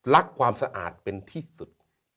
ความสะอาดเป็นที่สุด